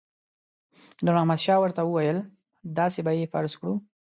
نور محمد شاه ورته وویل داسې به یې فرض کړو.